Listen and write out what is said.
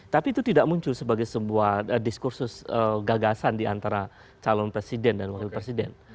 tapi itu tidak muncul sebagai sebuah diskursus gagasan diantara calon presiden dan wakil presiden